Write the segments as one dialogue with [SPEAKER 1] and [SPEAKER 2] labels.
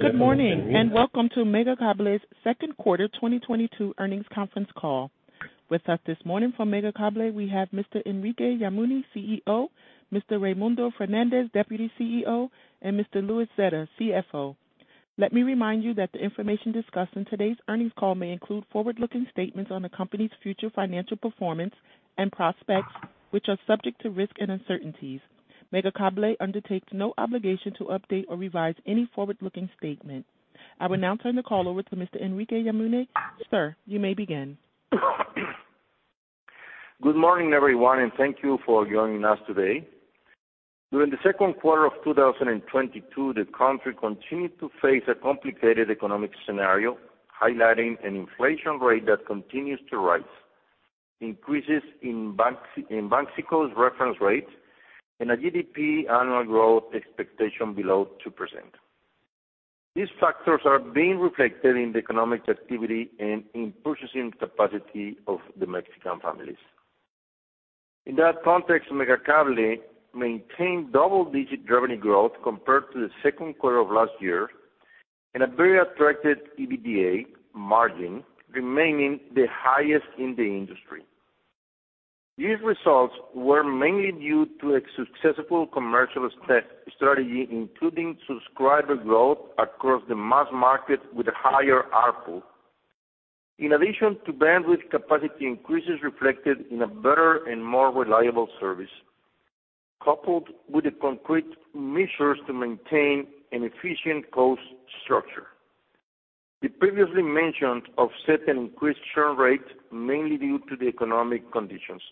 [SPEAKER 1] Good morning, and welcome to Megacable's Second Quarter 2022 Earnings Conference Call. With us this morning from Megacable, we have Mr. Enrique Yamuni, CEO, Mr. Raymundo Fernández, Deputy CEO, and Mr. Luis Zetter, CFO. Let me remind you that the information discussed in today's earnings call may include forward-looking statements on the company's future financial performance and prospects, which are subject to risks and uncertainties. Megacable undertakes no obligation to update or revise any forward-looking statement. I will now turn the call over to Mr. Enrique Yamuni. Sir, you may begin.
[SPEAKER 2] Good morning, everyone, and thank you for joining us today. During the second quarter of 2022, the country continued to face a complicated economic scenario, highlighting an inflation rate that continues to rise, increases in Banxico's reference rate, and a GDP annual growth expectation below 2%. These factors are being reflected in the economic activity and in purchasing capacity of the Mexican families. In that context, Megacable maintained double-digit revenue growth compared to the second quarter of last year and a very attractive EBITDA margin, remaining the highest in the industry. These results were mainly due to a successful commercial strategy, including subscriber growth across the mass market with a higher ARPU. In addition to bandwidth capacity increases reflected in a better and more reliable service, coupled with the concrete measures to maintain an efficient cost structure. The previously mentioned offset an increased churn rate, mainly due to the economic conditions.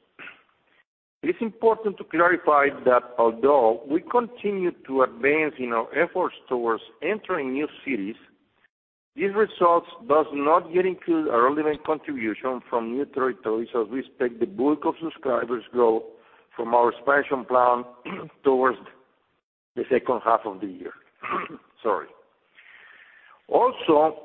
[SPEAKER 2] It is important to clarify that although we continue to advance in our efforts towards entering new cities, these results does not yet include a relevant contribution from new territories, as we expect the bulk of subscribers go from our expansion plan towards the second half of the year. Sorry. Also,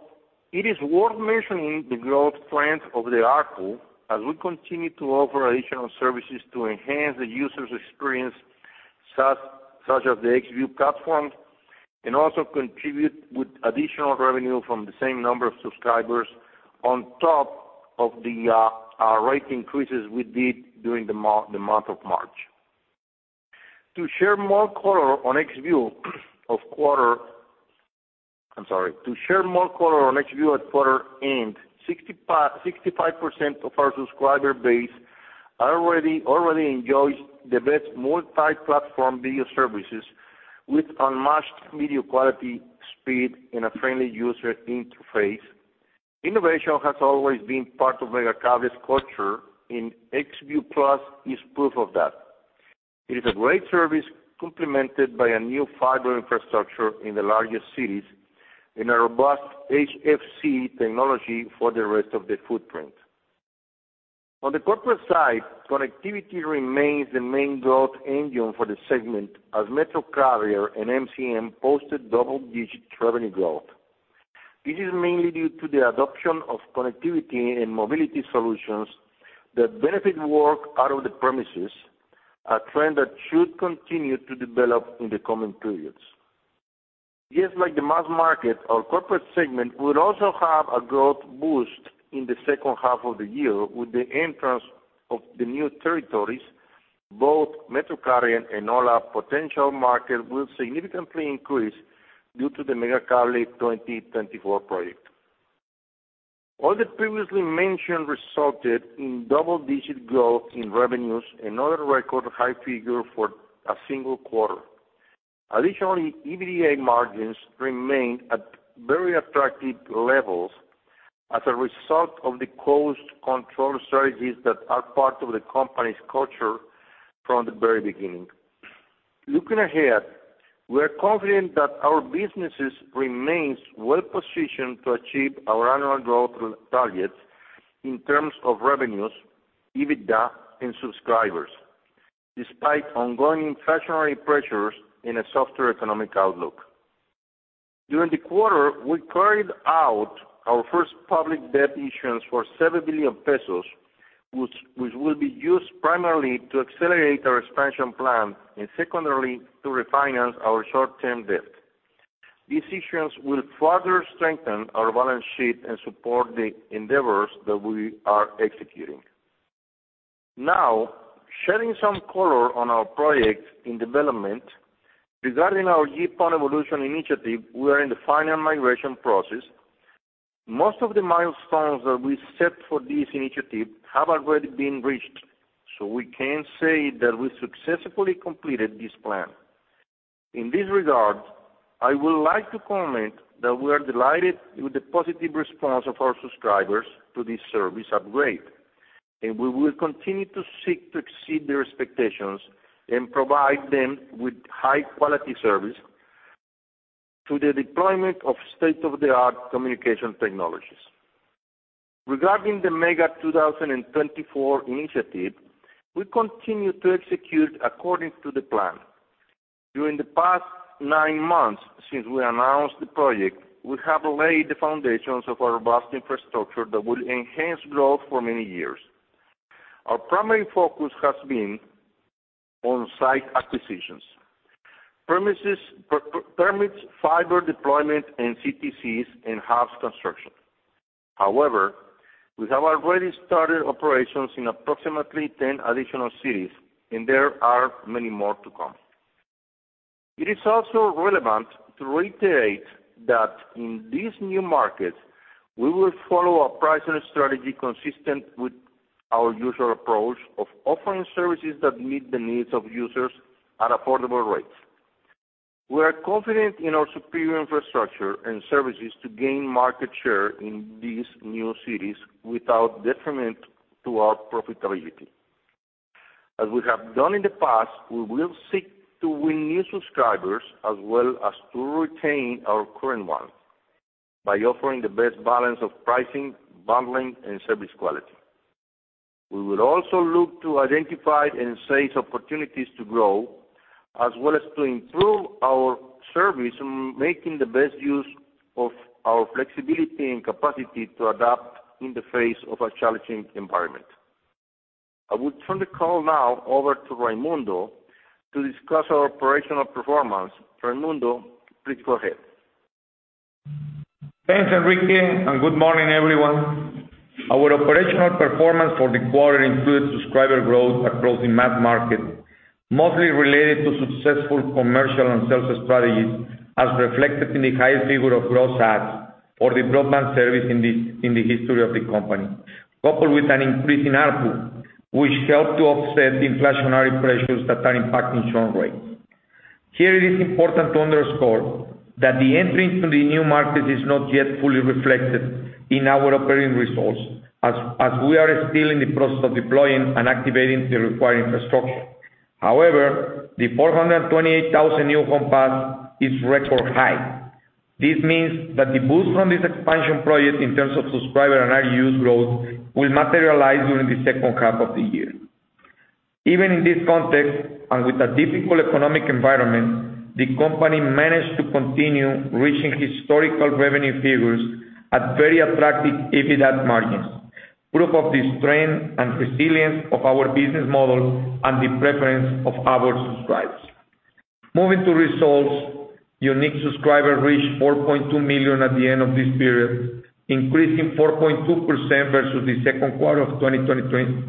[SPEAKER 2] it is worth mentioning the growth trend of the ARPU as we continue to offer additional services to enhance the user's experience, such as the Xview platform, and also contribute with additional revenue from the same number of subscribers on top of the rate increases we did during the month of March. To share more color on Xview of quarter. I'm sorry. To share more color on Xview at quarter end, 65% of our subscriber base already enjoys the best multi-platform video services with unmatched video quality, speed, and a friendly user interface. Innovation has always been part of Megacable's culture and Xview+ is proof of that. It is a great service complemented by a new fiber infrastructure in the largest cities and a robust HFC technology for the rest of the footprint. On the corporate side, connectivity remains the main growth engine for the segment as MetroCarrier and MCM posted double-digit revenue growth. This is mainly due to the adoption of connectivity and mobility solutions that benefit work out of the premises, a trend that should continue to develop in the coming periods. Just like the mass market, our corporate segment will also have a growth boost in the second half of the year with the entrance of the new territories. Both MetroCarrier and all our potential market will significantly increase due to the MEGA 2024 project. All the previously mentioned resulted in double-digit growth in revenues, another record high figure for a single quarter. Additionally, EBITDA margins remained at very attractive levels as a result of the cost control strategies that are part of the company's culture from the very beginning. Looking ahead, we are confident that our businesses remains well-positioned to achieve our annual growth targets in terms of revenues, EBITDA, and subscribers, despite ongoing inflationary pressures in a softer economic outlook. During the quarter, we carried out our first public debt issuance for 7 billion pesos, which will be used primarily to accelerate our expansion plan and secondly, to refinance our short-term debt. This issuance will further strengthen our balance sheet and support the endeavors that we are executing. Now, shedding some color on our projects in development. Regarding our GPON evolution initiative, we are in the final migration process. Most of the milestones that we set for this initiative have already been reached, so we can say that we successfully completed this plan. In this regard, I would like to comment that we are delighted with the positive response of our subscribers to this service upgrade, and we will continue to seek to exceed their expectations and provide them with high-quality service through the deployment of state-of-the-art communication technologies. Regarding the MEGA 2024 initiative, we continue to execute according to the plan. During the past nine months since we announced the project, we have laid the foundations of our vast infrastructure that will enhance growth for many years. Our primary focus has been on site acquisitions, premises, permits, fiber deployment, and CTCs, and house construction. However, we have already started operations in approximately 10 additional cities, and there are many more to come. It is also relevant to reiterate that in these new markets, we will follow a pricing strategy consistent with our usual approach of offering services that meet the needs of users at affordable rates. We are confident in our superior infrastructure and services to gain market share in these new cities without detriment to our profitability. As we have done in the past, we will seek to win new subscribers as well as to retain our current ones by offering the best balance of pricing, bundling, and service quality. We will also look to identify and seize opportunities to grow as well as to improve our service in making the best use of our flexibility and capacity to adapt in the face of a challenging environment. I would turn the call now over to Raymundo to discuss our operational performance. Raymundo, please go ahead.
[SPEAKER 3] Thanks, Enrique, and good morning, everyone. Our operational performance for the quarter includes subscriber growth across the mass market, mostly related to successful commercial and sales strategies, as reflected in the high figure of gross adds for the broadband service in the history of the company, coupled with an increase in ARPU, which helped to offset inflationary pressures that are impacting churn rates. Here it is important to underscore that the entry into the new market is not yet fully reflected in our operating results as we are still in the process of deploying and activating the required infrastructure. However, the 428,000 new homes passed is record high. This means that the boost from this expansion project in terms of subscriber and ARPU growth will materialize during the second half of the year. Even in this context, and with a difficult economic environment, the company managed to continue reaching historical revenue figures at very attractive EBITDA margins, proof of the strength and resilience of our business model and the preference of our subscribers. Moving to results, unique subscribers reached 4.2 million at the end of this period, increasing 4.2% versus the second quarter of 2021,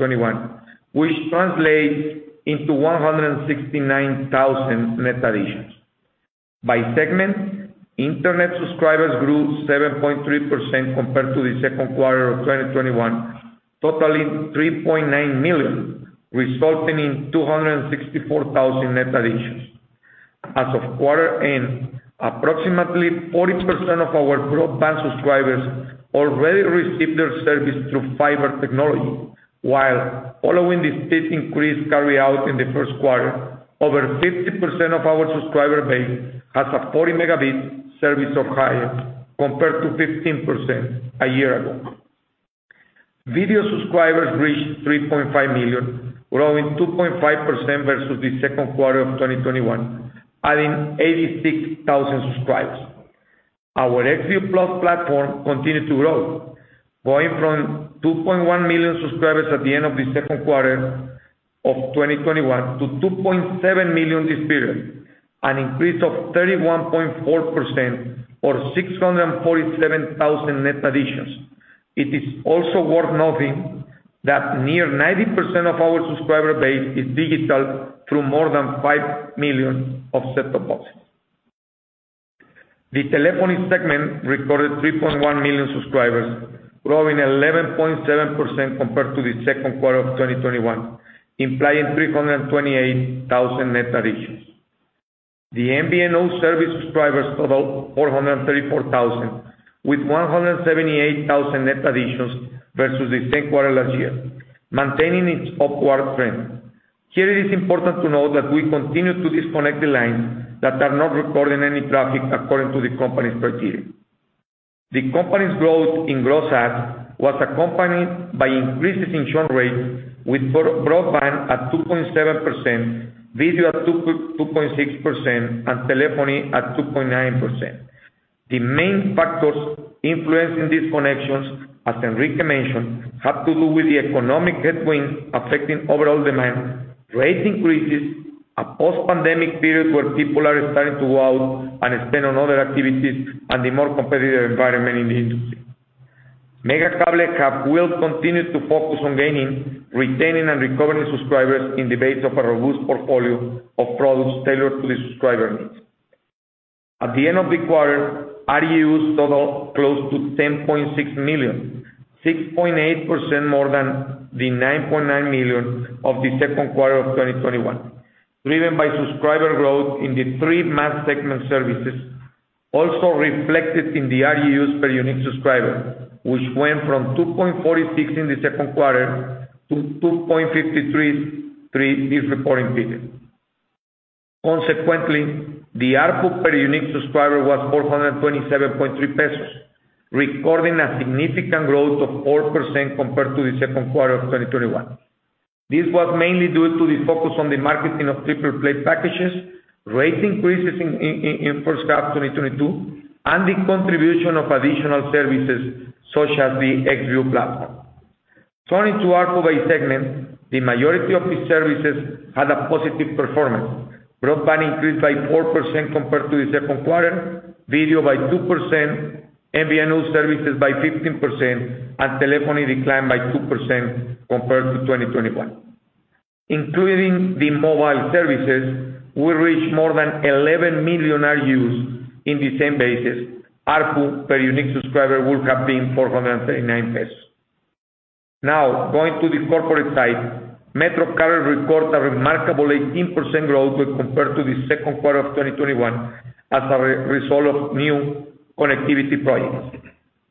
[SPEAKER 3] which translates into 169,000 net additions. By segment, Internet subscribers grew 7.3% compared to the second quarter of 2021, totaling 3.9 million, resulting in 264,000 net additions. As of quarter end, approximately 40% of our broadband subscribers already receive their service through fiber technology, while following the steep increase carried out in the first quarter, over 50% of our subscriber base has a 40 megabit service or higher, compared to 15% a year ago. Video subscribers reached 3.5 million, growing 2.5% versus the second quarter of 2021, adding 86,000 subscribers. Our Xview Plus platform continued to grow, going from 2.1 million subscribers at the end of the second quarter of 2021 to 2.7 million this period, an increase of 31.4% or 647,000 net additions. It is also worth noting that near 90% of our subscriber base is digital through more than 5 million of set-top boxes. The telephony segment recorded 3.1 million subscribers, growing 11.7% compared to the second quarter of 2021, implying 328,000 net additions. The MVNO service subscribers total 434,000, with 178,000 net additions versus the same quarter last year, maintaining its upward trend. Here it is important to note that we continue to disconnect the lines that are not recording any traffic according to the company's criteria. The company's growth in gross adds was accompanied by increases in churn rates with broadband at 2.7%, video at 2.6%, and telephony at 2.9%. The main factors influencing these connections, as Enrique mentioned, have to do with the economic headwinds affecting overall demand, rate increases, a post-pandemic period where people are starting to go out and spend on other activities, and a more competitive environment in the industry. Megacable. Capex will continue to focus on gaining, retaining, and recovering subscribers on the basis of a robust portfolio of products tailored to the subscriber needs. At the end of the quarter, ARPU was total close to 10.6 million, 6.8% more than the 9.9 million of the second quarter of 2021, driven by subscriber growth in the three mass segment services, also reflected in the ARPU per unique subscriber, which went from 2.46 in the second quarter to 2.53, 3% this reporting period. Consequently, the ARPU per unique subscriber was 427.3 pesos, recording a significant growth of 4% compared to the second quarter of 2021. This was mainly due to the focus on the marketing of triple play packages, rate increases in first half 2022, and the contribution of additional services such as the Xview platform. Turning to ARPU by segment, the majority of these services had a positive performance. Broadband increased by 4% compared to the second quarter, video by 2%, MVNO services by 15%, and telephony declined by 2% compared to 2021. Including the mobile services, we reached more than 11 million RGUs on the same basis. ARPU per unique subscriber would have been 439 pesos. Now, going to the corporate side, MetroCarrier recorded a remarkable 18% growth when compared to the second quarter of 2021 as a result of new connectivity projects.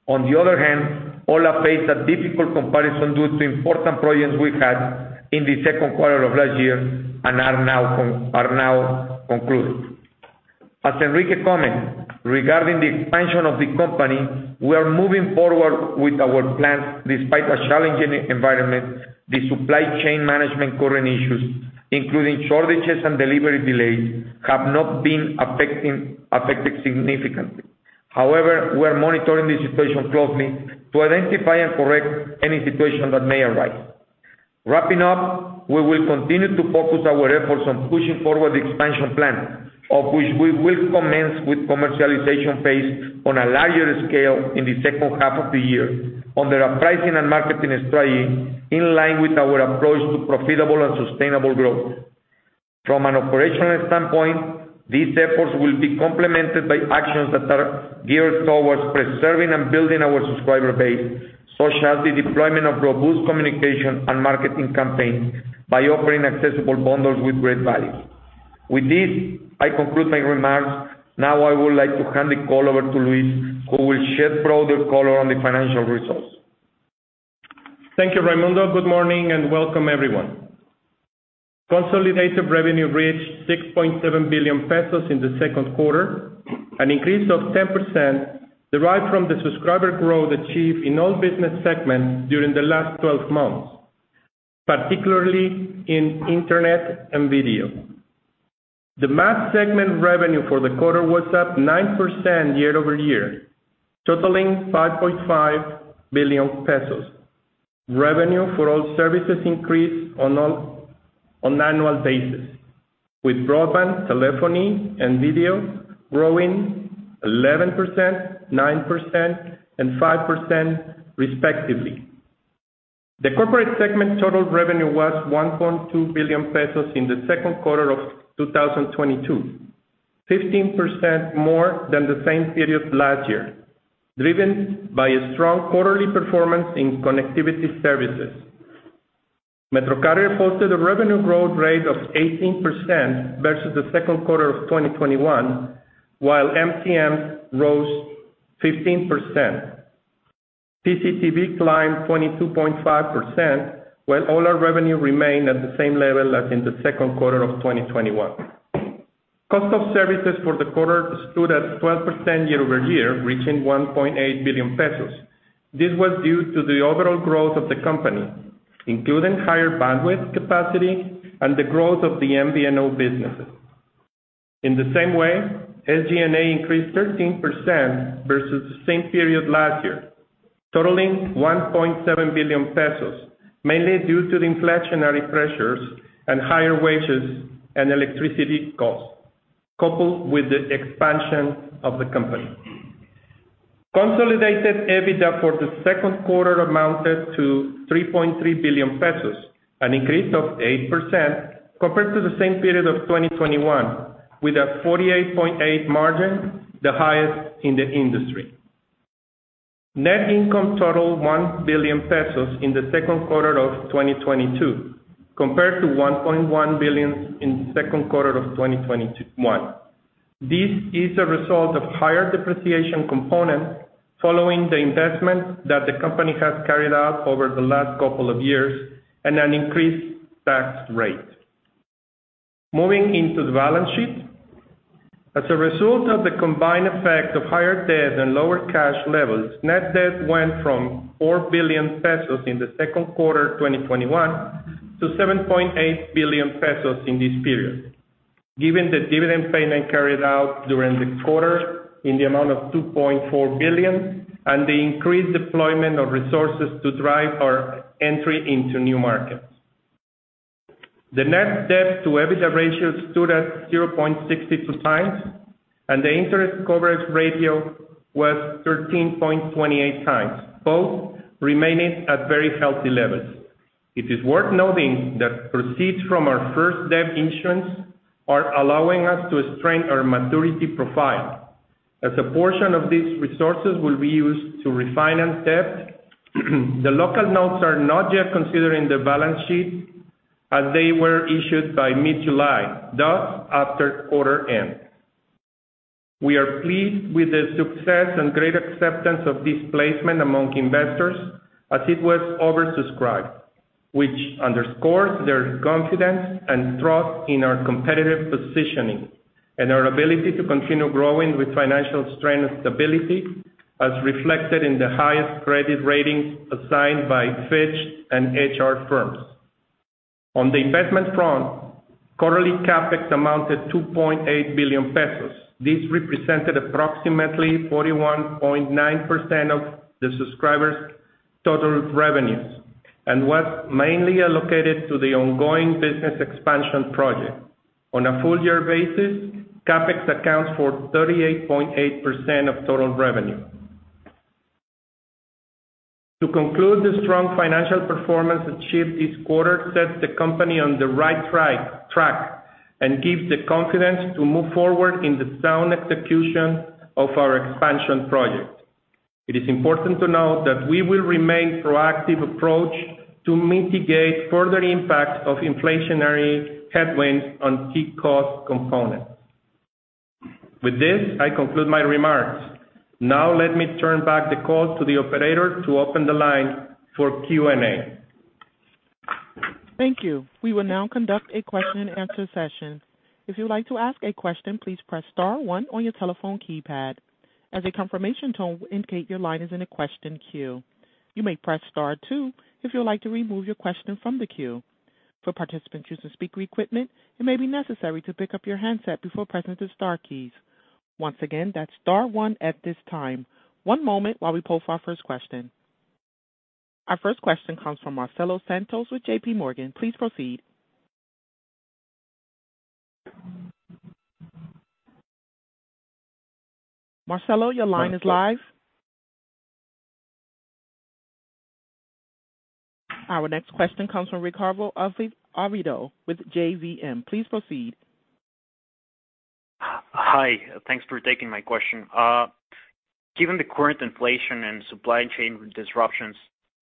[SPEAKER 3] On the other hand, ho1a faced a difficult comparison due to important projects we had in the second quarter of last year and are now concluded. As Enrique commented, regarding the expansion of the company, we are moving forward with our plans despite a challenging environment. The supply chain management current issues, including shortages and delivery delays, have not been affected significantly. However, we are monitoring the situation closely to identify and correct any situation that may arise. Wrapping up, we will continue to focus our efforts on pushing forward the expansion plan, of which we will commence with commercialization phase on a larger scale in the second half of the year under a pricing and marketing strategy in line with our approach to profitable and sustainable growth. From an operational standpoint, these efforts will be complemented by actions that are geared towards preserving and building our subscriber base, such as the deployment of robust communication and marketing campaigns by offering accessible bundles with great value. With this, I conclude my remarks. Now I would like to hand the call over to Luis, who will shed broader color on the financial results.
[SPEAKER 4] Thank you, Raymundo. Good morning, and welcome everyone. Consolidated revenue reached 6.7 billion pesos in the second quarter, an increase of 10% derived from the subscriber growth achieved in all business segments during the last 12 months, particularly in Internet and video. The mass segment revenue for the quarter was up 9% year-over-year, totaling 5.5 billion pesos. Revenue for all services increased on an annual basis, with broadband, telephony, and video growing 11%, 9%, and 5% respectively. The corporate segment total revenue was 1.2 billion pesos in the second quarter of 2022, 15% more than the same period last year, driven by a strong quarterly performance in connectivity services. MetroCarrier posted a revenue growth rate of 18% versus the second quarter of 2021, while MCM rose 15%. TCTV climbed 22.5%, while ho1a revenue remained at the same level as in the second quarter of 2021. Cost of services for the quarter stood at 12% year-over-year, reaching 1.8 billion pesos. This was due to the overall growth of the company, including higher bandwidth capacity and the growth of the MVNO businesses. SG&A increased 13% versus the same period last year, totaling 1.7 billion pesos, mainly due to the inflationary pressures and higher wages and electricity costs, coupled with the expansion of the company. Consolidated EBITDA for the second quarter amounted to 3.3 billion pesos, an increase of 8% compared to the same period of 2021, with a 48.8% margin, the highest in the industry. Net income totaled 1 billion pesos in the second quarter of 2022, compared to 1.1 billion in the second quarter of 2021. This is a result of higher depreciation component following the investment that the company has carried out over the last couple of years and an increased tax rate. Moving into the balance sheet. As a result of the combined effect of higher debt and lower cash levels, net debt went from 4 billion pesos in the second quarter 2021 to 7.8 billion pesos in this period. Given the dividend payment carried out during the quarter in the amount of 2.4 billion and the increased deployment of resources to drive our entry into new markets. The net debt to EBITDA ratio stood at 0.62x, and the interest coverage ratio was 13.28x, both remaining at very healthy levels. It is worth noting that proceeds from our first debt issuance are allowing us to strengthen our maturity profile, as a portion of these resources will be used to refinance debt. The local notes are not yet considered in the balance sheet, as they were issued in mid-July, thus after quarter end. We are pleased with the success and great acceptance of this placement among investors as it was oversubscribed, which underscores their confidence and trust in our competitive positioning and our ability to continue growing with financial strength and stability, as reflected in the highest credit ratings assigned by Fitch Ratings and HR Ratings. On the investment front, quarterly Capex amounted to 2.8 billion pesos. This represented approximately 41.9% of the subscribers total revenues, and was mainly allocated to the ongoing business expansion project. On a full year basis, Capex accounts for 38.8% of total revenue. To conclude, the strong financial performance achieved this quarter sets the company on the right track and gives the confidence to move forward in the sound execution of our expansion project. It is important to note that we will maintain a proactive approach to mitigate further impacts of inflationary headwinds on key cost components. With this, I conclude my remarks. Now let me turn back the call to the operator to open the line for Q&A.
[SPEAKER 1] Thank you. We will now conduct a question and answer session. If you would like to ask a question, please press star one on your telephone keypad. A confirmation tone will indicate your line is in a question queue. You may press star two if you would like to remove your question from the queue. For participants using speaker equipment, it may be necessary to pick up your handset before pressing the star keys. Once again, that's star one at this time. One moment while we poll for our first question. Our first question comes from Marcelo Santos with JP Morgan. Please proceed. Marcelo, your line is live. Our next question comes from Ricardo Alvi with JVM. Please proceed.
[SPEAKER 5] Hi. Thanks for taking my question. Given the current inflation and supply chain disruptions,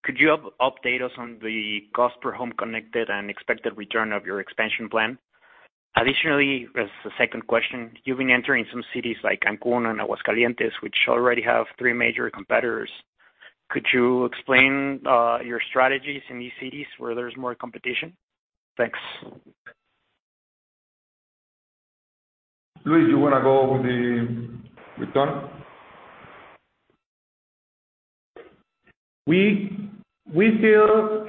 [SPEAKER 5] could you update us on the cost per home connected and expected return of your expansion plan? Additionally, as the second question, you've been entering some cities like Cancún and Aguascalientes, which already have three major competitors. Could you explain your strategies in these cities where there's more competition? Thanks.
[SPEAKER 3] Luis, you wanna go with the return?
[SPEAKER 4] We feel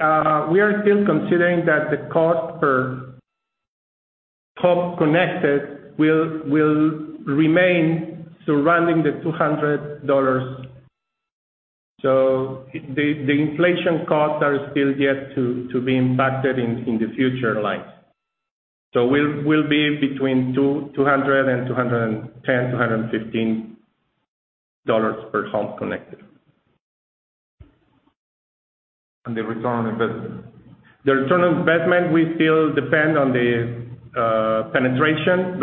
[SPEAKER 4] we are still considering that the cost per home connected will remain surrounding $200. The inflation costs are still yet to be impacted in the future lines. We'll be between $200 and $210, $215 per home connected.
[SPEAKER 3] The return on investment.
[SPEAKER 4] The return on investment, we still depend on the penetration.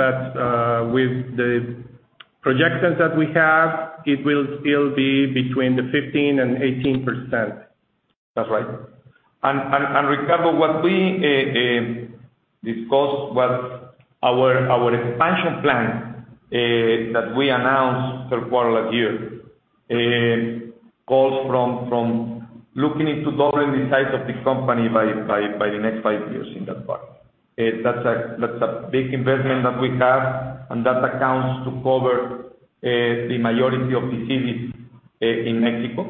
[SPEAKER 4] With the projections that we have, it will still be between the 15 and 18%.
[SPEAKER 3] That's right. Ricardo, what we discussed was our expansion plan that we announced third quarter last year, calling for doubling the size of the company by the next five years in that part. That's a big investment that we have, and that aims to cover the majority of the cities in Mexico.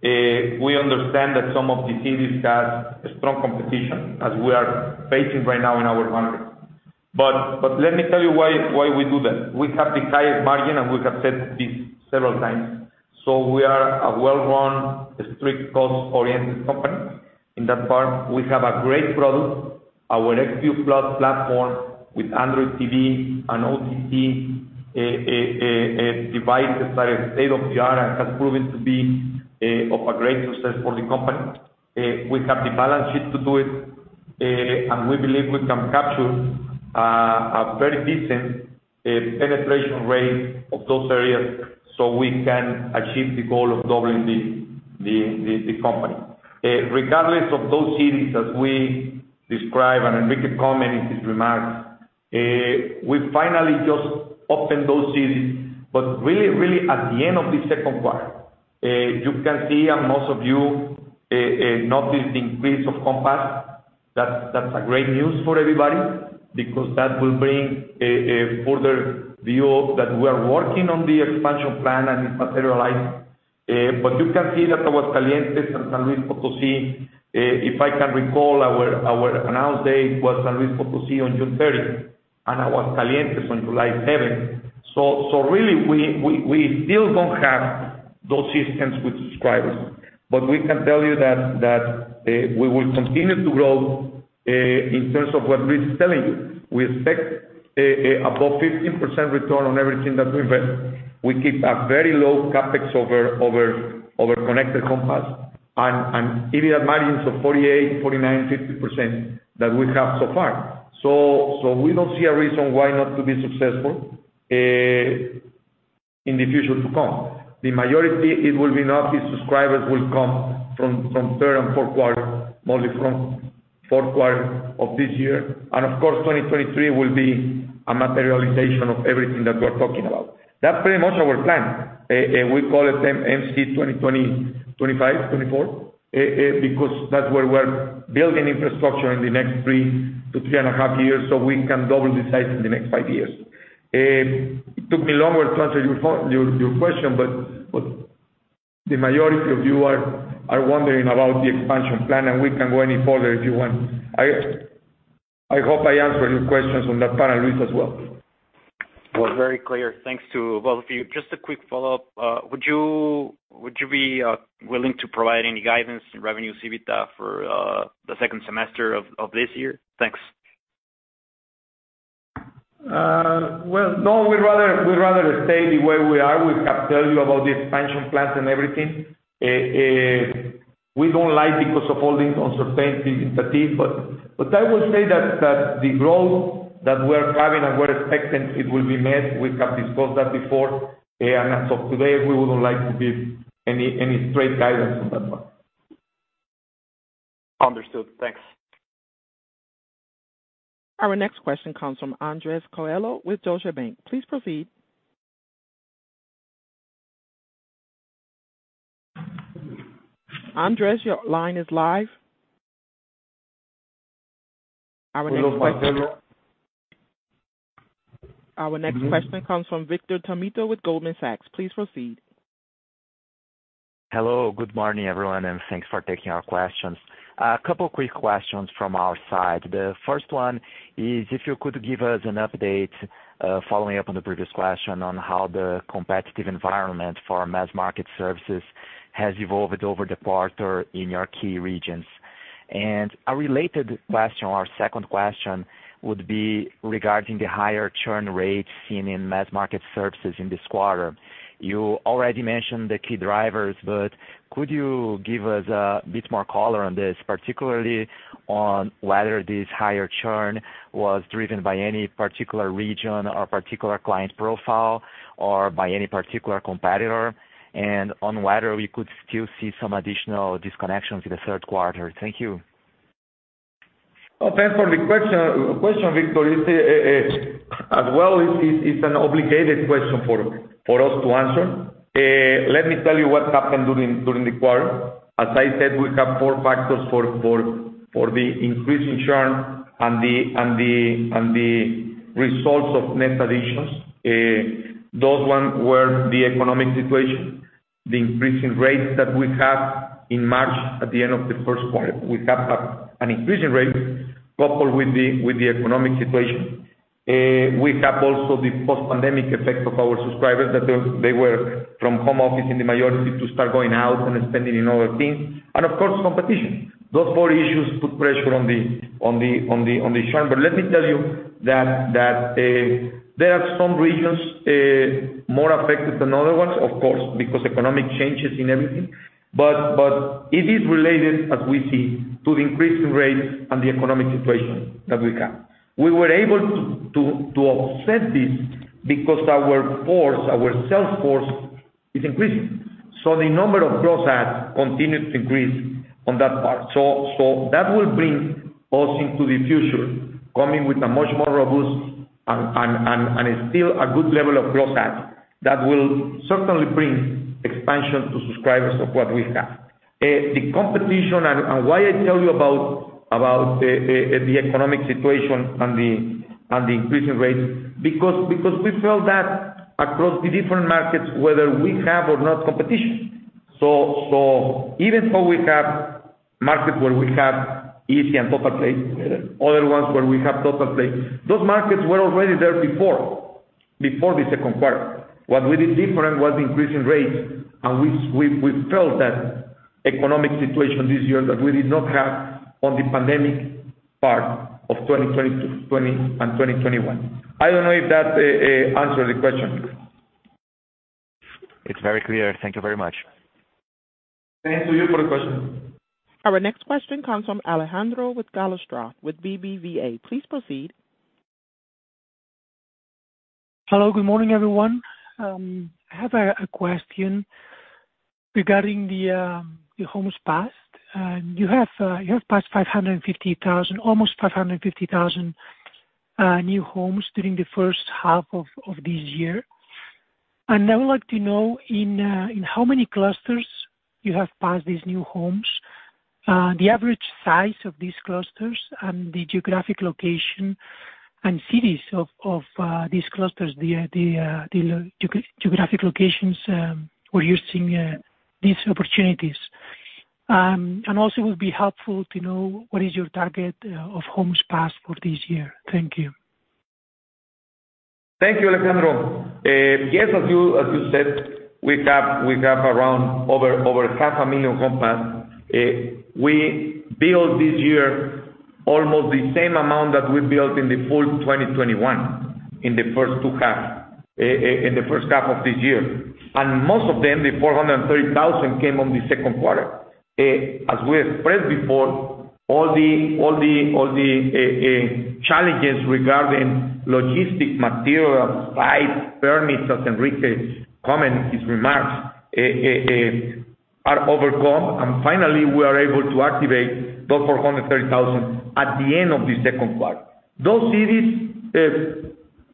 [SPEAKER 3] We understand that some of the cities have strong competition as we are facing right now in our market. Let me tell you why we do that. We have the highest margin, and we have said this several times, so we are a well-run strict cost-oriented company in that part. We have a great product. Our Xview+ platform with Android TV and OTT devices that are state-of-the-art and has proven to be of a great success for the company. We have the balance sheet to do it, and we believe we can capture a very decent penetration rate of those areas so we can achieve the goal of doubling the company. Regardless of those cities that we describe and Enrique commented in his remarks, we finally just opened those cities, but really at the end of the second quarter. You can see and most of you noticed the increase of homes passed. That's great news for everybody because that will bring a further view that we are working on the expansion plan and materialize. You can see that Aguascalientes and San Luis Potosí, if I can recall, our announce date was San Luis Potosí on June thirtieth and Aguascalientes on July seventh. Really we still don't have those systems with subscribers. We can tell you that we will continue to grow in terms of what Luis is telling you. We expect above 15% return on everything that we invest. We keep a very low Capex over connected homes and EBITDA margins of 48%-50% that we have so far. We don't see a reason why not to be successful in the future to come. The majority the subscribers will come from third and fourth quarter, mostly from fourth quarter of this year. Of course, 2023 will be a materialization of everything that we're talking about. That's pretty much our plan. We call it MEGA 2024 because that's where we're building infrastructure in the next three to three and a half years, so we can double the size in the next five years. It took me longer to answer your question, but the majority of you are wondering about the expansion plan, and we can go any further if you want. I hope I answered your questions on that part, Luis, as well.
[SPEAKER 5] Was very clear. Thanks to both of you. Just a quick follow-up. Would you be willing to provide any guidance on revenue for the second semester of this year? Thanks.
[SPEAKER 3] Well, no. We'd rather stay the way we are. We have to tell you about the expansion plans and everything. We don't like because of holding onto certain things at least. I will say that the growth that we're having and we're expecting it will be met. We have discussed that before. As of today, we wouldn't like to give any straight guidance on that one.
[SPEAKER 5] Understood. Thanks.
[SPEAKER 1] Our next question comes from Andres Coello with Deutsche Bank. Please proceed. Andres, your line is live. Our next question. Our next question comes from Vitor Tomita with Goldman Sachs. Please proceed.
[SPEAKER 6] Hello. Good morning, everyone, and thanks for taking our questions. A couple of quick questions from our side. The first one is if you could give us an update, following up on the previous question on how the competitive environment for mass market services has evolved over the quarter in your key regions. A related question or second question would be regarding the higher churn rates seen in mass market services in this quarter. You already mentioned the key drivers, but could you give us a bit more color on this, particularly on whether this higher churn was driven by any particular region or particular client profile or by any particular competitor? On whether we could still see some additional disconnections in the third quarter. Thank you.
[SPEAKER 3] Well, thanks for the question, Victor. It's an obligated question for us to answer. Let me tell you what happened during the quarter. As I said, we have four factors for the increase in churn and the results of net additions. Those ones were the economic situation, the increasing rates that we had in March at the end of the first quarter. We have had an increasing rate coupled with the economic situation. We have also the post-pandemic effect of our subscribers that they were from home office in the majority to start going out and spending in other things, and of course, competition. Those four issues put pressure on the churn. Let me tell you that there are some regions more affected than other ones, of course, because economic changes in everything. It is related, as we see, to the increasing rates and the economic situation that we have. We were able to offset this because our sales force is increasing. The number of gross adds continued to increase on that part. That will bring us into the future, coming with a much more robust and still a good level of gross adds that will certainly bring expansion to subscribers of what we have. The competition and why I tell you about the economic situation and the increasing rates, because we felt that across the different markets, whether we have or not competition. Even though we have markets where we have izzi and Totalplay, other ones where we have Totalplay, those markets were already there before the second quarter. What we did different was increasing rates, and we felt that economic situation this year that we did not have on the pandemic part of 2022, 2021 and 2020. I don't know if that answered the question.
[SPEAKER 6] It's very clear. Thank you very much.
[SPEAKER 3] Thank you for the question.
[SPEAKER 1] Our next question comes from Alejandro Gallostra with BBVA. Please proceed.
[SPEAKER 7] Hello, good morning, everyone. I have a question regarding the homes passed. You have passed almost 550,000 new homes during the first half of this year. I would like to know in how many clusters you have passed these new homes, the average size of these clusters and the geographic location and cities of these clusters, the geographic locations where you're seeing these opportunities. It would also be helpful to know what is your target of homes passed for this year. Thank you.
[SPEAKER 3] Thank you, Alejandro. Yes, as you said, we have around over 500,000 homes passed. We built this year almost the same amount that we built in the full 2021 in the first half of this year. Most of them, the 430,000, came in the second quarter. As we expressed before, all the challenges regarding logistics materials, sites, permits, as Enrique comment, his remarks, are overcome, and finally, we are able to activate those 430,000 at the end of the second quarter. Those cities,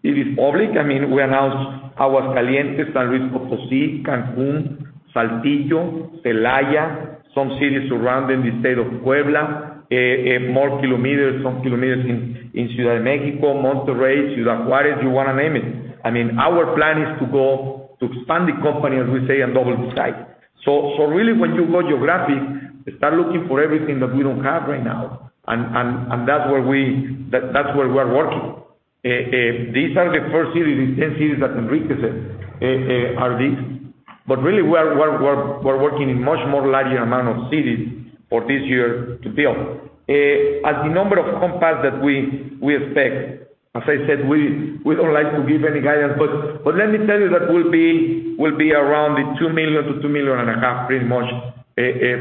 [SPEAKER 3] it is public. I mean, we announced Aguascalientes, San Luis Potosí, Cancún, Saltillo, Celaya, some cities surrounding the state of Puebla, more kilometers, some kilometers in Ciudad de México, Monterrey, Ciudad Juárez, you wanna name it. I mean, our plan is to go to expand the company, as we say, and double the size. Really when you go geographically, start looking for everything that we don't have right now. That's where we're working. These are the first cities, the 10 cities that Enrique said are these. Really we're working in much more larger amount of cities for this year to build. As the number of compounds that we expect, as I said, we don't like to give any guidance, but let me tell you that we'll be around the 2 million to 2.5 million, pretty much,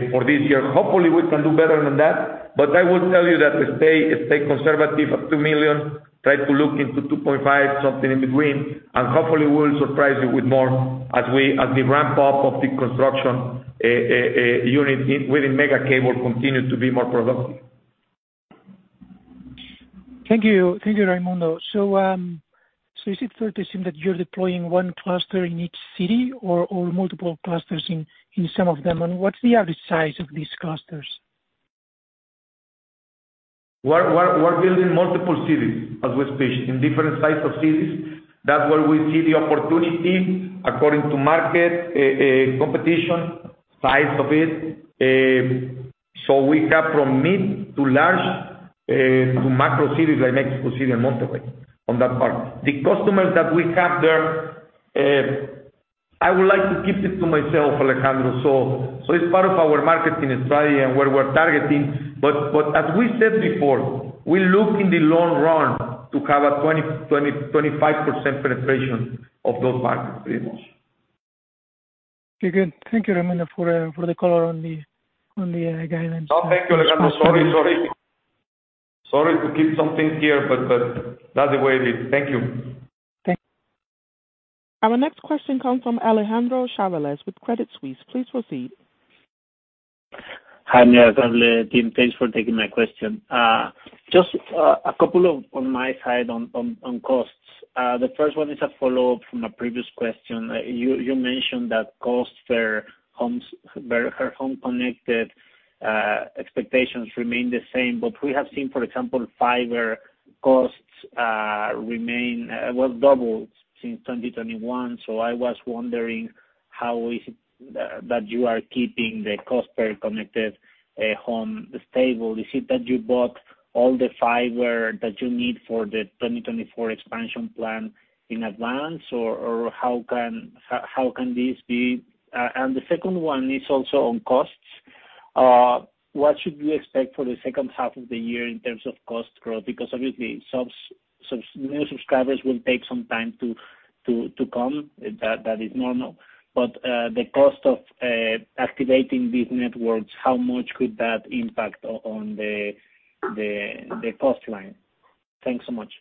[SPEAKER 3] for this year. Hopefully, we can do better than that. I will tell you that to stay conservative at 2 million, try to look into 2.5, something in between, and hopefully we'll surprise you with more as the ramp up of the construction unit with Megacable continues to be more productive.
[SPEAKER 7] Thank you. Thank you, Raymundo. Is it fair to assume that you're deploying one cluster in each city or multiple clusters in some of them? What's the average size of these clusters?
[SPEAKER 3] We're building multiple cities, as we speak, in different size of cities. That's where we see the opportunity according to market competition, size of it. We have from mid to large to macro cities like Mexico City and Monterrey on that part. The customers that we have there, I would like to keep it to myself, Alejandro. It's part of our marketing strategy and where we're targeting. As we said before, we look in the long run to have a 20%-25% penetration of those markets, pretty much.
[SPEAKER 7] Okay, good. Thank you, Raymundo, for the color on the guidance.
[SPEAKER 3] No, thank you, Alejandro. Sorry. Sorry to keep some things here, but that's the way it is. Thank you.
[SPEAKER 7] Okay.
[SPEAKER 1] Our next question comes from Alejandro Chavelas with Credit Suisse. Please proceed.
[SPEAKER 8] Hi, good afternoon team. Thanks for taking my question. Just a couple on my side on costs. The first one is a follow-up from a previous question. You mentioned that costs per home connected expectations remain the same. We have seen, for example, fiber costs remain well doubled since 2021. I was wondering how is it that you are keeping the cost per connected home stable? Is it that you bought all the fiber that you need for the 2024 expansion plan in advance? Or how can this be? The second one is also on costs. What should we expect for the second half of the year in terms of cost growth? Because obviously subs new subscribers will take some time to come. That is normal. The cost of activating these networks, how much could that impact on the cost line? Thanks so much.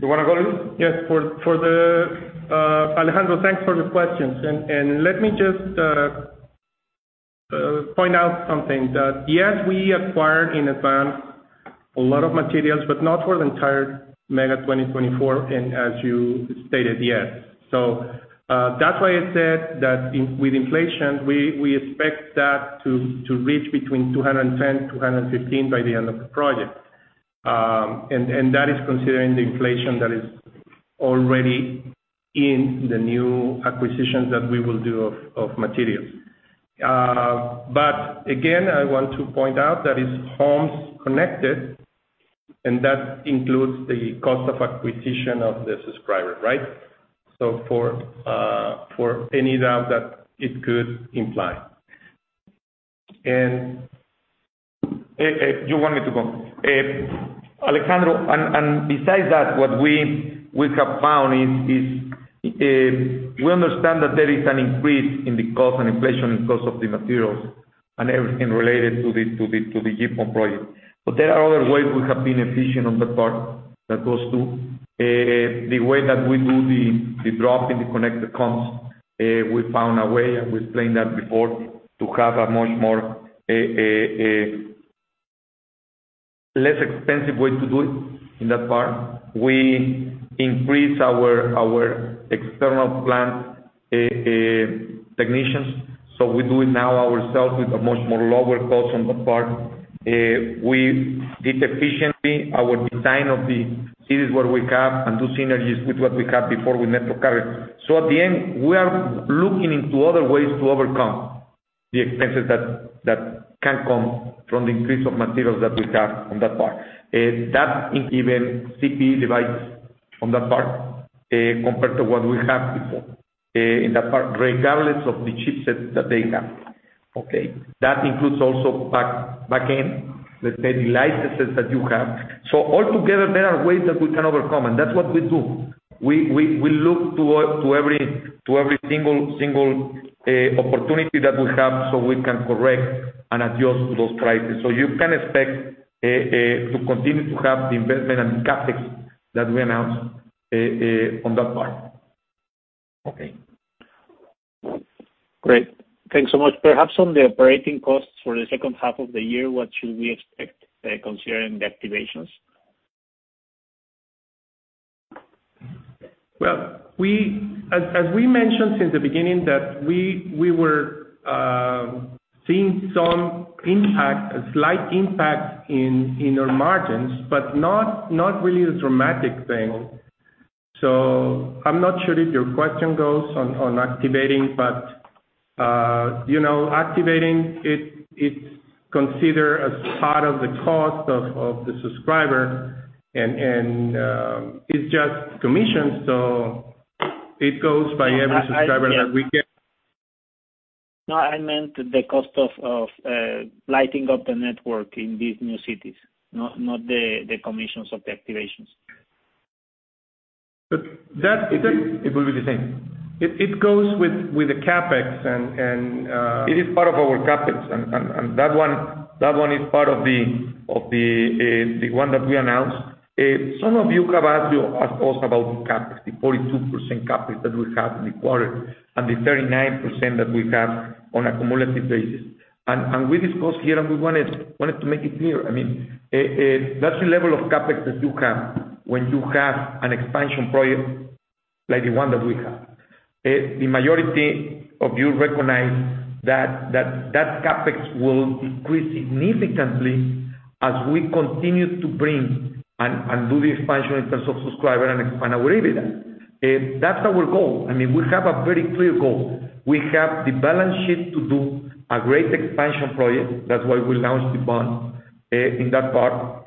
[SPEAKER 3] You wanna go, Luis?
[SPEAKER 4] Yes. Alejandro, thanks for the questions. Let me just point out something that yes, we acquired in advance a lot of materials, but not for the entire MEGA 2024 and as you stated, yes. That's why I said that with inflation, we expect that to reach between $210 and $215 by the end of the project. That is considering the inflation that is already in the new acquisitions that we will do of materials. But again, I want to point out that it's homes connected, and that includes the cost of acquisition of the subscriber, right? For any doubt that it could imply.
[SPEAKER 3] You want me to go. Alejandro, besides that, what we have found is we understand that there is an increase in the cost and inflation in cost of the materials and everything related to the GPON project. There are other ways we have been efficient on that part that goes to the way that we do the drop in the connected costs. We found a way, I was explaining that before, to have a much more less expensive way to do it in that part. We increase our external plant technicians, so we do it now ourselves with a much more lower cost on that part. We did efficiently our design of the cities where we have and do synergies with what we had before with MetroCarrier. At the end, we are looking into other ways to overcome the expenses that can come from the increase of materials that we have on that part. That's including even CPE device on that part, compared to what we had before, in that part, regardless of the chipsets that they have. Okay. That includes also back, backend, let's say, the licenses that you have. Altogether, there are ways that we can overcome, and that's what we do. We look to every single opportunity that we have so we can correct and adjust to those prices. You can expect to continue to have the investment and the Capex that we announced on that part.
[SPEAKER 8] Okay. Great. Thanks so much. Perhaps on the operating costs for the second half of the year, what should we expect, considering the activations?
[SPEAKER 4] Well, as we mentioned since the beginning that we were. Seeing some impact, a slight impact in our margins, but not really a dramatic thing. I'm not sure if your question goes on activating, but you know, activating it's considered as part of the cost of the subscriber and it's just commission, so it goes by every subscriber that we get.
[SPEAKER 8] No, I meant the cost of lighting up the network in these new cities, not the commissions of the activations.
[SPEAKER 3] But that-
[SPEAKER 8] It will be the same.
[SPEAKER 3] It goes with the Capex and it is part of our Capex. That one is part of the one that we announced. Some of you have asked us about Capex, the 42% Capex that we have in the quarter, and the 39% that we have on a cumulative basis. We discussed here, and we wanted to make it clear, I mean, that's the level of Capex that you have when you have an expansion project like the one that we have. The majority of you recognize that Capex will decrease significantly as we continue to bring and do the expansion in terms of subscriber and expand our EBITDA. That's our goal. I mean, we have a very clear goal. We have the balance sheet to do a great expansion project. That's why we launched the bond in that part.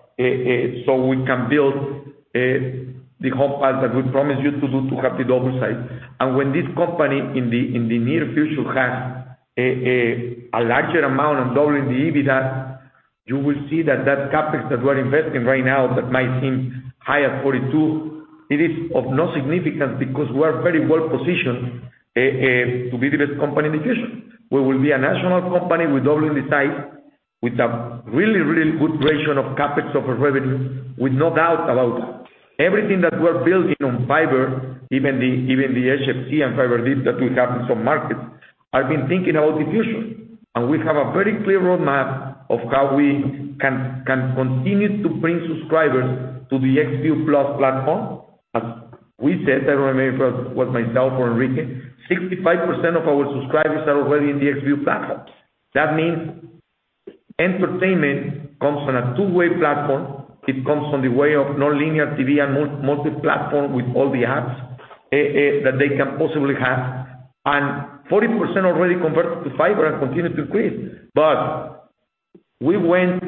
[SPEAKER 3] So we can build the homes passed that we promised you to do to have the double size. When this company in the near future has a larger amount on doubling the EBITDA, you will see that Capex that we're investing right now, that might seem high at 42%, it is of no significance because we are very well positioned to be the best company in the future. We will be a national company with double the size, with a really good ratio of Capex over revenue, with no doubt about that. Everything that we're building on fiber, even the HFC and fiber deals that we have in some markets. I've been thinking about the future. We have a very clear roadmap of how we can continue to bring subscribers to the Xview Plus platform. As we said, I don't remember if it was myself or Enrique. 65% of our subscribers are already in the Xview platform. That means entertainment comes on a two-way platform. It comes by way of nonlinear TV and multi-platform with all the apps that they can possibly have. Forty percent already converted to fiber and continue to increase. We went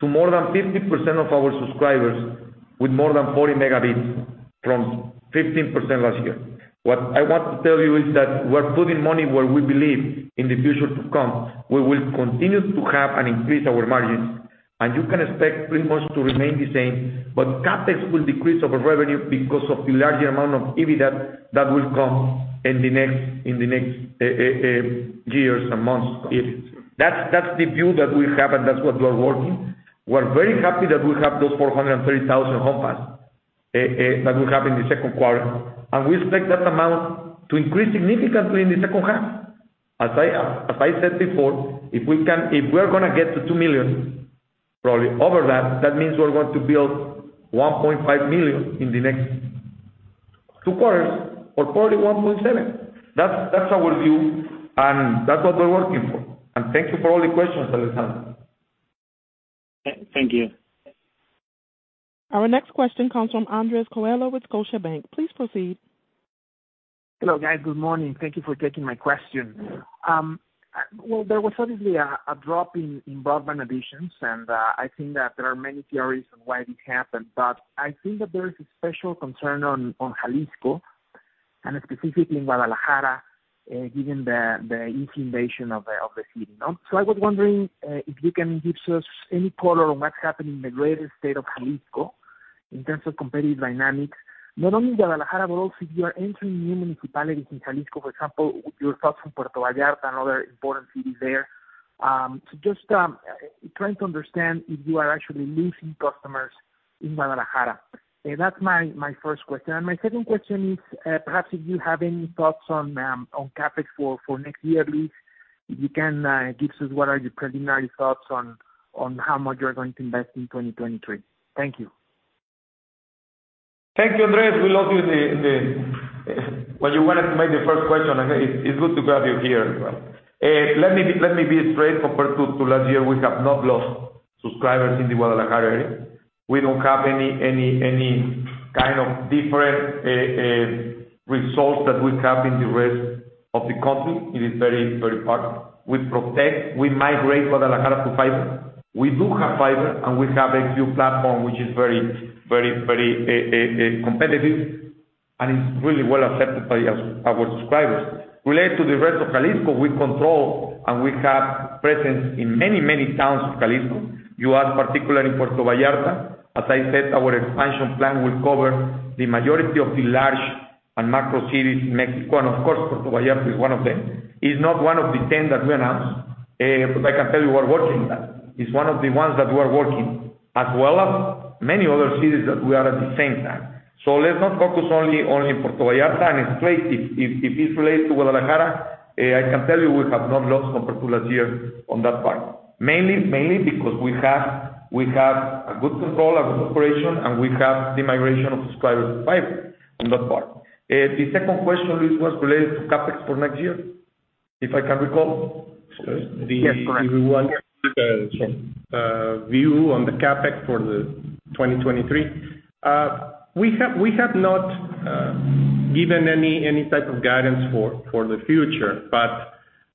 [SPEAKER 3] to more than 50% of our subscribers with more than 40 Mbps from 15% last year. What I want to tell you is that we're putting money where we believe in the future to come. We will continue to have and increase our margins, and you can expect pretty much to remain the same, but Capex will decrease over revenue because of the larger amount of EBITDA that will come in the next years and months. That's the view that we have, and that's what we are working. We're very happy that we have those 430,000 homes passed that we have in the second quarter. We expect that amount to increase significantly in the second half. As I said before, if we're gonna get to 2 million, probably over that means we're going to build 1.5 million in the next two quarters or probably 1.7. That's our view, and that's what we're working for. Thank you for all the questions, Alejandro.
[SPEAKER 8] Thank you.
[SPEAKER 1] Our next question comes from Andres Coello with Scotiabank. Please proceed.
[SPEAKER 9] Hello, guys. Good morning. Thank you for taking my question. Well, there was obviously a drop in broadband additions, and I think that there are many theories on why this happened. I think that there is a special concern on Jalisco, and specifically in Guadalajara, given the inundation of the city, you know? I was wondering if you can give us any color on what's happening in the greater state of Jalisco in terms of competitive dynamics, not only in Guadalajara, but also if you are entering new municipalities in Jalisco, for example, your thoughts on Puerto Vallarta and other important cities there. Trying to understand if you are actually losing customers in Guadalajara. That's my first question. My second question is, perhaps if you have any thoughts on Capex for next year, at least, if you can give us what are your preliminary thoughts on how much you are going to invest in 2023. Thank you.
[SPEAKER 3] Thank you, Andres. We love you. When you wanted to make the first question, I said it's good to have you here as well. Let me be straight. Compared to last year, we have not lost subscribers in the Guadalajara area. We don't have any kind of different results that we have in the rest of the country. It is very part. We protect, we migrate Guadalajara to fiber. We do have fiber, and we have Xview platform, which is very competitive, and it's really well accepted by our subscribers. Related to the rest of Jalisco, we control and we have presence in many towns of Jalisco. You asked particularly Puerto Vallarta. As I said, our expansion plan will cover the majority of the large and macro cities in Mexico, and of course, Puerto Vallarta is one of them. It's not one of the 10 that we announced, but I can tell you we're working that. It's one of the ones that we're working, as well as many other cities that we are at the same time. Let's not focus only Puerto Vallarta and straight if it's related to Guadalajara. I can tell you we have not lost compared to last year on that part. Mainly because we have a good control, a good operation, and we have the migration of subscribers to fiber on that part. The second question was related to Capex for next year. If I can recall the
[SPEAKER 9] Yes, correct.
[SPEAKER 3] The view on the Capex for 2023. We have not given any type of guidance for the future.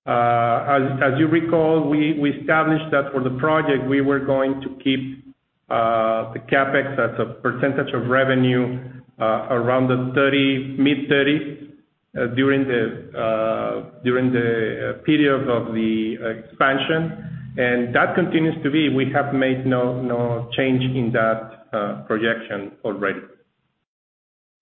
[SPEAKER 3] As you recall, we established that for the project, we were going to keep the Capex as a percentage of revenue around the mid-30s% during the period of the expansion. That continues to be. We have made no change in that projection already.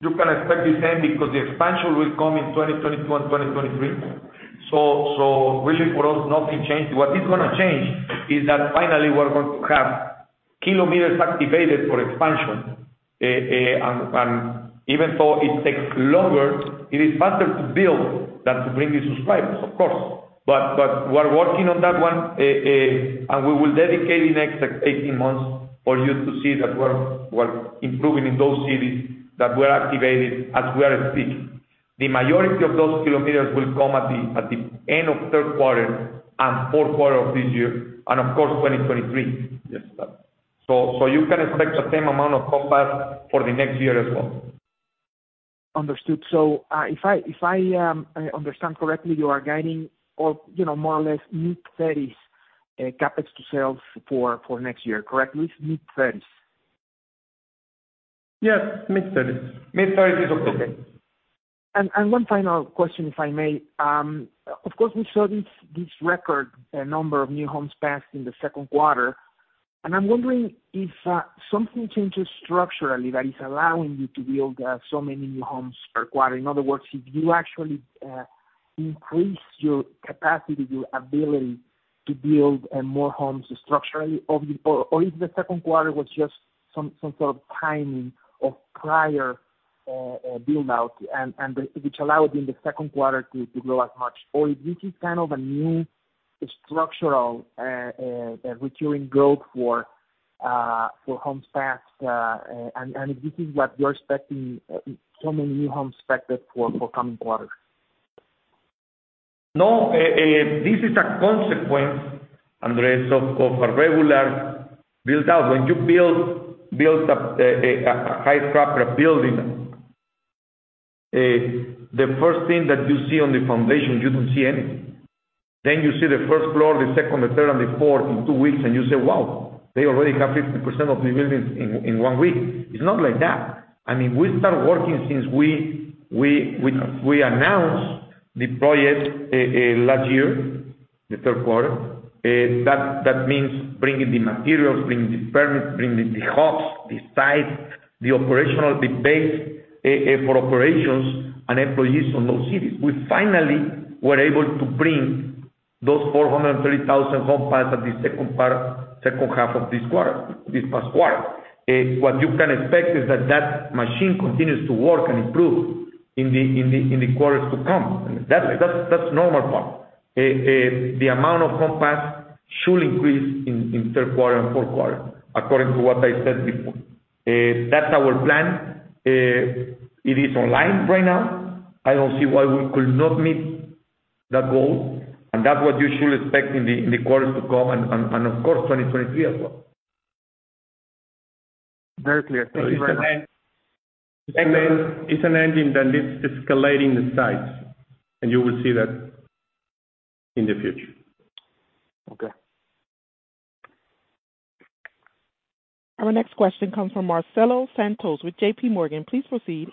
[SPEAKER 3] You can expect the same because the expansion will come in 2021-2023. Really for us, nothing changed. What is gonna change is that finally we're going to have kilometers activated for expansion. Even though it takes longer, it is faster to build than to bring the subscribers, of course. We're working on that one. We will dedicate the next 18 months for you to see that we're improving in those cities that we're activated as we are speaking. The majority of those kilometers will come at the end of third quarter and fourth quarter of this year, and of course, 2023.
[SPEAKER 9] Yes, sir.
[SPEAKER 3] You can expect the same amount of Capex for the next year as well.
[SPEAKER 9] Understood. If I understand correctly, you are guiding or, you know, more or less mid-thirties Capex to sales for next year. Correct? It's mid-thirties.
[SPEAKER 3] Yes. Mid-30s. Mid-30s is okay.
[SPEAKER 9] One final question, if I may. Of course, we saw this record number of new homes passed in the second quarter, and I'm wondering if something changes structurally that is allowing you to build so many new homes per quarter. In other words, if you actually increase your capacity, your ability to build more homes structurally, or if the second quarter was just some sort of timing of prior build-out and which allowed in the second quarter to grow as much. If this is kind of a new structural recurring growth for homes passed, and if this is what you're expecting, so many new homes expected for coming quarters.
[SPEAKER 3] No, this is a consequence, Andres, of a regular build-out. When you build up a high-traffic building, the first thing that you see on the foundation, you don't see anything. Then you see the first floor, the second, the third, and the fourth in two weeks, and you say, "Wow, they already have 50% of the buildings in one week." It's not like that. I mean, we started working since we announced the project last year, the third quarter. That means bringing the materials, bringing the permits, bringing the hubs, the sites, the operational, the base for operations and employees on those cities. We finally were able to bring those 430,000 homes passed at the second half of this quarter, this past quarter. What you can expect is that machine continues to work and improve in the quarters to come. That's normal part. The amount of homes passed should increase in third quarter and fourth quarter, according to what I said before. That's our plan. It is online right now. I don't see why we could not meet that goal, and that's what you should expect in the quarters to come and, of course, 2023 as well.
[SPEAKER 9] Very clear. Thank you very much.
[SPEAKER 3] It's an engine that is escalating the sites, and you will see that in the future.
[SPEAKER 9] Okay.
[SPEAKER 1] Our next question comes from Marcelo Santos with JP Morgan. Please proceed.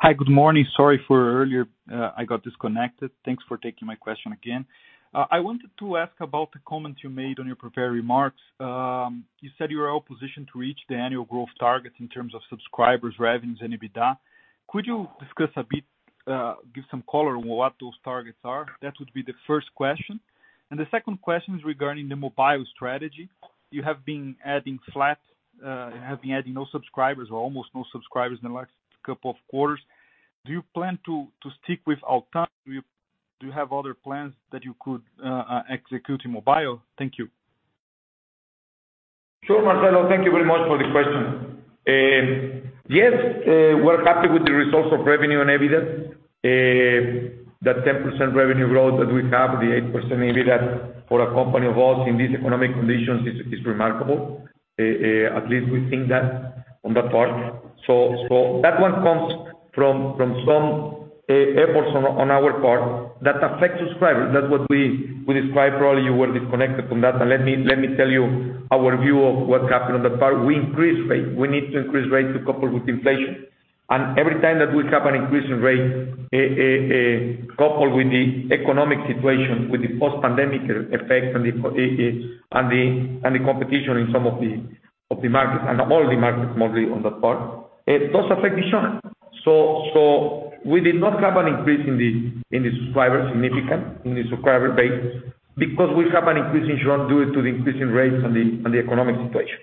[SPEAKER 10] Hi. Good morning. Sorry for earlier, I got disconnected. Thanks for taking my question again. I wanted to ask about the comments you made on your prepared remarks. You said you were all positioned to reach the annual growth targets in terms of subscribers, revenues, and EBITDA. Could you discuss a bit, give some color on what those targets are? That would be the first question. The second question is regarding the mobile strategy. You have been adding flat no subscribers or almost no subscribers in the last couple of quarters. Do you plan to stick with Altán? Do you have other plans that you could execute in mobile? Thank you.
[SPEAKER 3] Sure, Marcelo. Thank you very much for the question. Yes, we're happy with the results of revenue and EBITDA. That 10% revenue growth that we have, the 8% EBITDA for a company like us in these economic conditions is remarkable. At least we think that on that part. That one comes from some efforts on our part that affect subscribers. That's what we described. Probably you were disconnected from that. Let me tell you our view of what happened on that part. We increased rates. We need to increase rates to cope with inflation. Every time that we have an increase in rate, coupled with the economic situation, with the post-pandemic effects and the competition in some of the markets and all the markets, mostly on that part, it does affect the churn. We did not have an increase in the subscribers significant, in the subscriber base, because we have an increase in churn due to the increase in rates and the economic situation.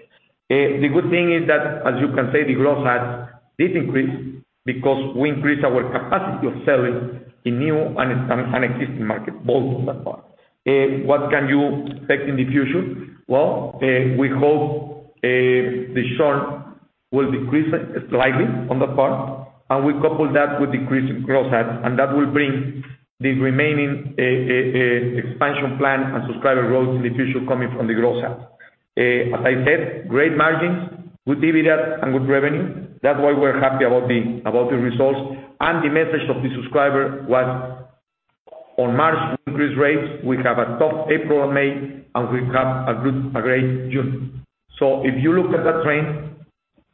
[SPEAKER 3] The good thing is that, as you can say, the growth rates did increase because we increased our capacity of selling in new and existing market, both on that part. What can you expect in the future? We hope the churn will decrease slightly on that part, and we couple that with decreasing growth rates, and that will bring the remaining expansion plan and subscriber growth in the future coming from the growth side. As I said, great margins with dividend and good revenue. That's why we're happy about the results. The message of the subscriber was on March increase rates. We have a tough April and May, and we have a great June. If you look at that trend,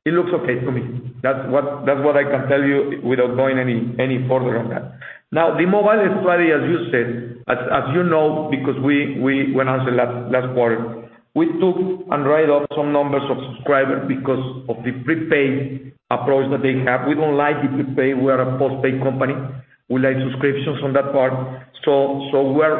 [SPEAKER 3] it looks okay to me. That's what I can tell you without going any further on that. Now, the mobile strategy, as you said, as you know, because we went on the last quarter. We took and write off some numbers of subscribers because of the prepaid approach that they have. We don't like the prepaid. We are a postpaid company. We like subscriptions on that part. We're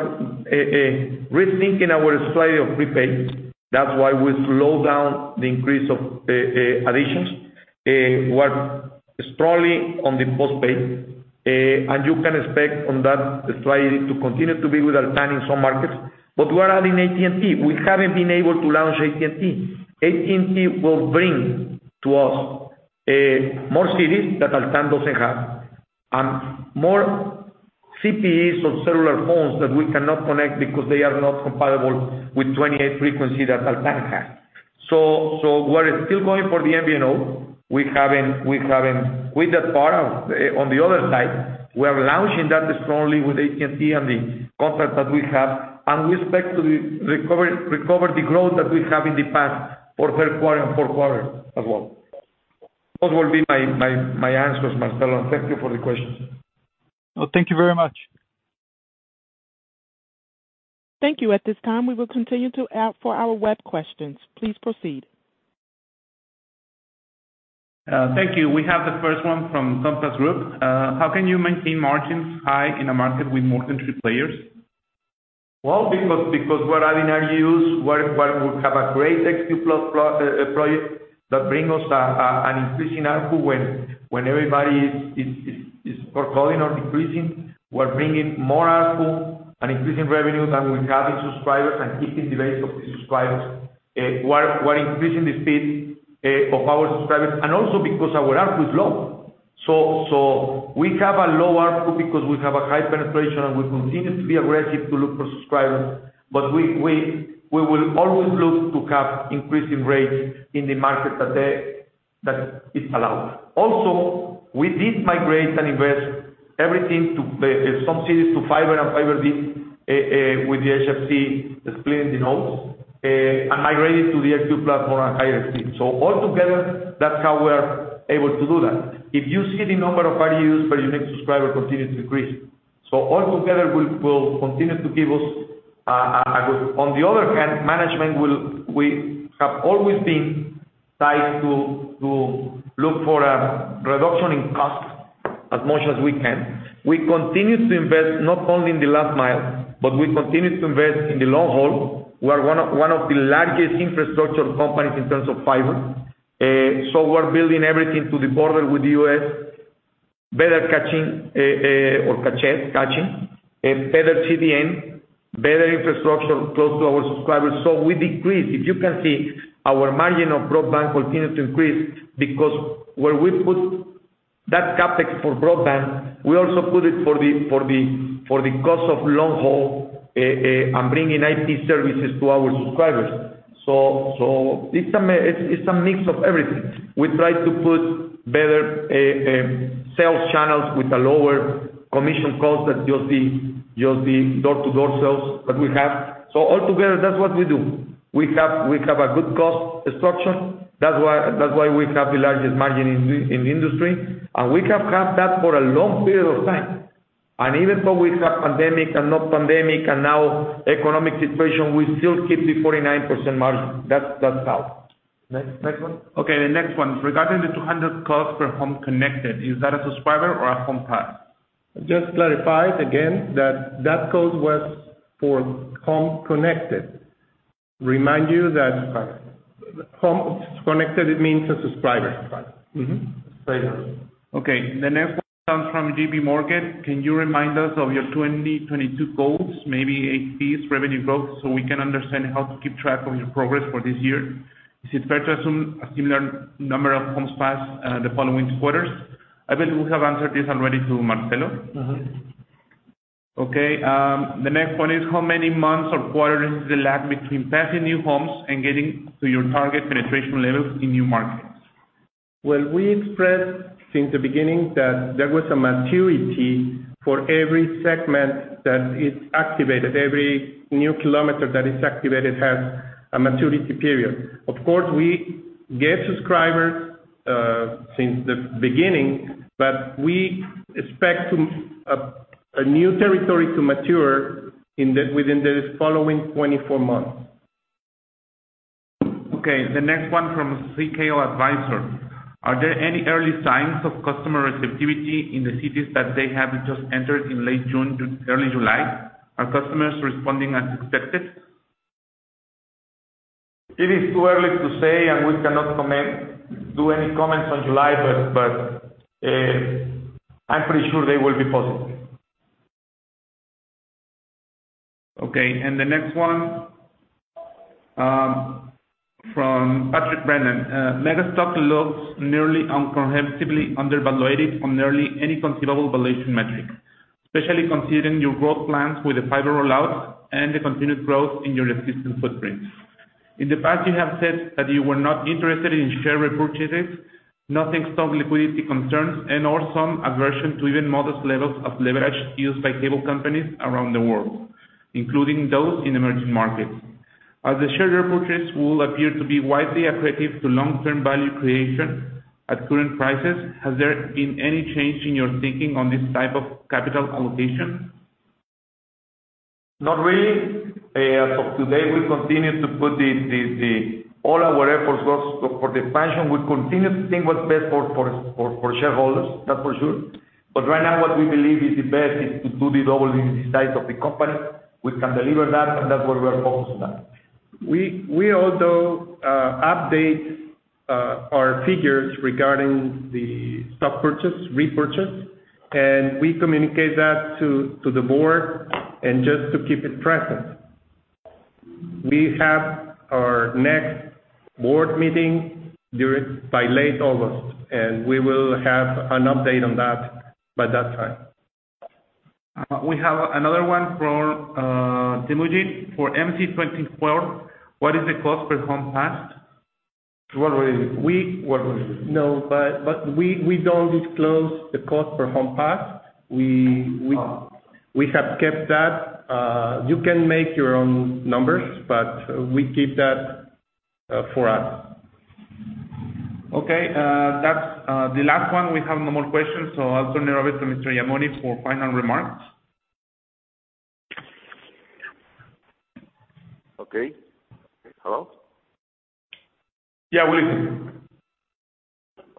[SPEAKER 3] rethinking our strategy of prepaid. That's why we slow down the increase of additions. We're strongly on the postpaid, and you can expect on that strategy to continue to be with Altán in some markets. We are adding AT&T. We haven't been able to launch AT&T. AT&T will bring to us more cities that Altán doesn't have and more CPEs of cellular phones that we cannot connect because they are not compatible with 28 frequency that Altán has. We're still going for the MVNO. We haven't. On the other side, we are launching that strongly with AT&T on the contract that we have, and we expect to recover the growth that we have in the past for third quarter and fourth quarter as well. Those will be my answers, Marcelo. Thank you for the questions.
[SPEAKER 10] Well, thank you very much.
[SPEAKER 1] Thank you. At this time, we will continue to ask for our web questions. Please proceed.
[SPEAKER 11] Thank you. We have the first one from Compass Group. How can you maintain margins high in a market with more than three players?
[SPEAKER 3] Because we're adding RGUs. We have a great Xview+ project that bring us an increasing ARPU when everybody is recalling or decreasing. We're bringing more ARPU and increasing revenue than we have in subscribers and keeping the rates of the subscribers. We're increasing the speed of our subscribers, and also because our ARPU is low. We have a low ARPU because we have a high penetration, and we continue to be aggressive to look for subscribers. But we will always look to have increasing rates in the market that is allowed. Also, we did migrate and invest everything to some cities to fiber and fiber deep with the HFC, splitting the nodes, and migrating to the Xview platform and higher speed. All together, that's how we are able to do that. If you see the number of RGUs per unique subscriber continue to increase. All together will continue to give us a good. On the other hand, management will. We have always been tied to look for a reduction in cost as much as we can. We continue to invest not only in the last mile, but we continue to invest in the long haul. We are one of the largest infrastructure companies in terms of fiber. We're building everything to the border with the U.S. Better caching or caches, caching, better CDN, better infrastructure close to our subscribers. We decrease. If you can see our margin of broadband continue to increase because where we put that Capex for broadband, we also put it for the cost of long haul, and bringing IT services to our subscribers. It's a mix of everything. We try to put better sales channels with a lower commission cost that you'll see door-to-door sales that we have. All together, that's what we do. We have a good cost structure. That's why we have the largest margin in the industry. We have had that for a long period of time. Even though we have pandemic and not pandemic and now economic situation, we still keep the 49% margin. That's how. Next one.
[SPEAKER 11] Okay, the next one. Regarding the $200 costs per home connected, is that a subscriber or a homes passed?
[SPEAKER 3] Just clarify again that cost was for home connected.
[SPEAKER 11] Subscriber.
[SPEAKER 3] Homes connected, it means a subscriber.
[SPEAKER 11] Subscriber.
[SPEAKER 10] Subscriber.
[SPEAKER 11] Okay. The next one comes from JP Morgan. Can you remind us of your 2022 goals, maybe ARPU, revenue growth, so we can understand how to keep track of your progress for this year? Is it fair to assume a similar number of homes passed the following quarters? I believe we have answered this already to Marcelo.
[SPEAKER 10] Yes.
[SPEAKER 11] Okay. The next one is how many months or quarters is the lag between passing new homes and getting to your target penetration levels in new markets?
[SPEAKER 3] Well, we expressed since the beginning that there was a maturity for every segment that is activated. Every new kilometer that is activated has a maturity period. Of course, we get subscribers since the beginning, but we expect a new territory to mature within the following 24 months.
[SPEAKER 11] Okay. The next one from CKO Advisor. Are there any early signs of customer receptivity in the cities that they have just entered in late June to early July? Are customers responding as expected?
[SPEAKER 3] It is too early to say, and we cannot do any comments on July, but I'm pretty sure they will be positive.
[SPEAKER 11] Okay. The next one from Patrick Brennan. Megacable stock looks nearly incomprehensibly undervalued on nearly any conceivable valuation metric, especially considering your growth plans with the fiber rollout and the continued growth in your existing footprint. In the past, you have said that you were not interested in share repurchases, noting stock liquidity concerns and/or some aversion to even modest levels of leverage used by cable companies around the world, including those in emerging markets. As the share repurchase will appear to be widely accretive to long-term value creation at current prices, has there been any change in your thinking on this type of capital allocation?
[SPEAKER 2] Not really. As of today, we continue to put all our efforts into the expansion. We continue to think what's best for shareholders, that's for sure. Right now, what we believe is the best is to double the size of the company. We can deliver that, and that's where we're focused on.
[SPEAKER 11] We also update our figures regarding the stock purchase, repurchase, and we communicate that to the board and just to keep it present. We have our next board meeting by late August, and we will have an update on that by that time. We have another one from Citi. For MC 2024, what is the cost per home passed?
[SPEAKER 2] It's what we-
[SPEAKER 11] We-
[SPEAKER 2] What we-
[SPEAKER 11] No, we don't disclose the cost per homes passed. We have kept that. You can make your own numbers, but we keep that for us. Okay. That's the last one. We have no more questions. I'll turn it over to Mr. Yamuni for final remarks.
[SPEAKER 2] Okay. Hello?
[SPEAKER 11] Yeah, we're listening.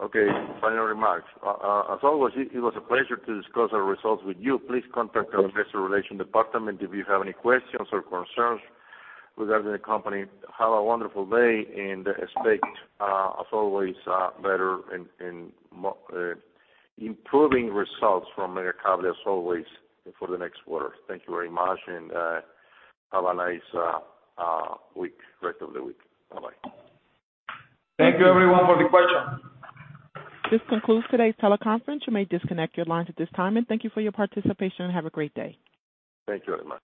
[SPEAKER 2] Okay. Final remarks. As always, it was a pleasure to discuss our results with you. Please contact our investor relation department if you have any questions or concerns regarding the company. Have a wonderful day and expect, as always, better and improving results from Megacable as always for the next quarter. Thank you very much and have a nice week, rest of the week. Bye-bye.
[SPEAKER 11] Thank you everyone for the questions.
[SPEAKER 1] This concludes today's teleconference. You may disconnect your lines at this time, and thank you for your participation and have a great day.
[SPEAKER 2] Thank you very much.